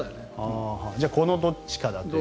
じゃあこのどっちかと。